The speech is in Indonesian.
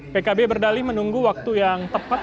pkb berdali menunggu waktu yang tepat